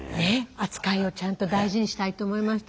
扱いをちゃんと大事にしたいと思いました。